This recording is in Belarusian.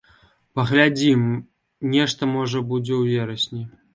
Паглядзім, нешта, можа, будзе ў верасні.